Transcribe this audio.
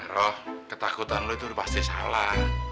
rok ketakutan lu itu pasti salah